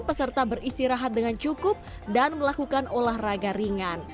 peserta beristirahat dengan cukup dan melakukan olahraga ringan